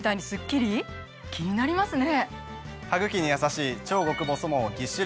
気になりますね！